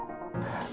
aku gak tau